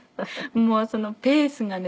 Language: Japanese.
もうそのペースがね